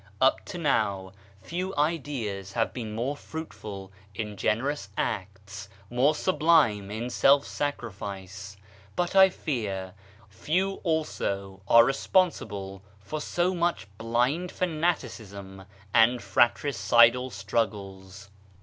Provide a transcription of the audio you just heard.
Up to now, few ideas have been more fruitful in generous acts, more sublime in self sacrifice ; but, I fear, few also are responsible for so much blind fanaticism and fratricidal struggles.